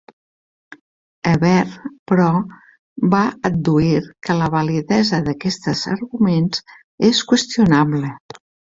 Ebert, però, va adduir que la validesa d'aquestes arguments és qüestionable.